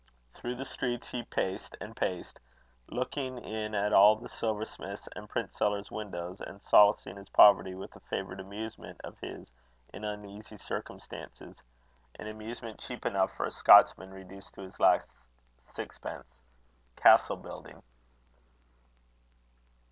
Through the streets he paced and paced, looking in at all the silversmiths' and printsellers' windows, and solacing his poverty with a favourite amusement of his in uneasy circumstances, an amusement cheap enough for a Scotchman reduced to his last sixpence castle building.